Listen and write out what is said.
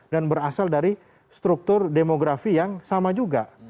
dan berasal dari struktur demografi yang sama juga